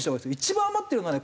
一番余ってるのはね